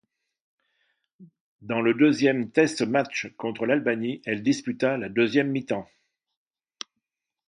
Dans le deuxième test match contre l'Albanie elle disputa la deuxième mi-temps.